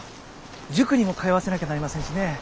塾にも通わせなきゃなりませんしね。